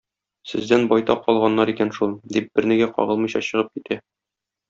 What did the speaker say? Сездән байтак алганнар икән шул, - дип бернигә кагылмыйча чыгып китә.